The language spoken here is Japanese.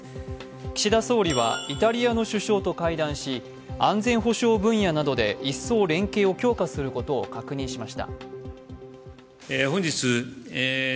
岸田総理はイタリアの首相と会談し、安全保障分野などで一層連携を強化することを確認しました。